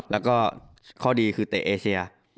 แล้วก็ข้อดีคือเตะเอเชีย